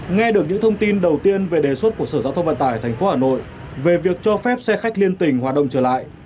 nghe được những thông tin đầu tiên về đề xuất của sở giao thông vận tải tp hà nội về việc cho phép xe khách liên tỉnh hoạt động trở lại